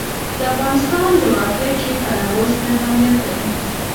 د افغانستان جغرافیه کې تنوع ستر اهمیت لري.